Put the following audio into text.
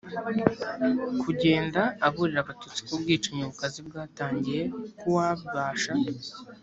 kugenda aburira abatutsi ko ubwicanyi bukaze bwatangiye ko uwabibasha